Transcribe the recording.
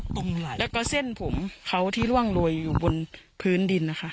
ไหล่แล้วก็เส้นผมเขาที่ร่วงโรยอยู่บนพื้นดินนะคะ